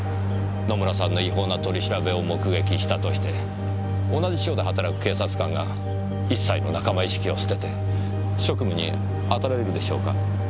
野村さんの違法な取り調べを目撃したとして同じ署で働く警察官が一切の仲間意識を捨てて職務にあたれるでしょうか。